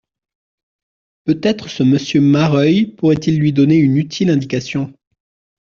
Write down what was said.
Peut-être ce Monsieur Mareuil pourrait-il lui donner une utile indication.